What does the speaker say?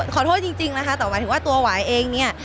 ขอโทษจริงนะคะแต่หมายถึงว่าตัวหวายเองเนี่ย